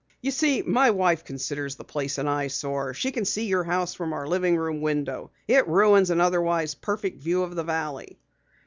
You see, my wife considers the place an eyesore. She can see your house from our living room window. It ruins an otherwise perfect view of the valley."